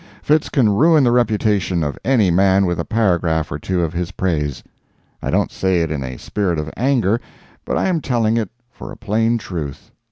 Fitz can ruin the reputation of any man with a paragraph or two of his praise. I don't say it in a spirit of anger, but I am telling it for a plain truth.